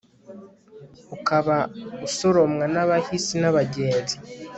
ukaba usoromwa n'abahisi n'abagenzi